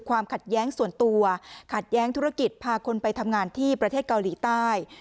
ความขัดแย้งส่วนตัวขัดแย้งธุรกิจพาคนไปทำงานที่ประเทศเกาหลีใต้